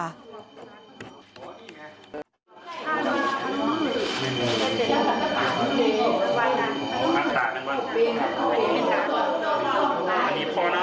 ลูกของสาว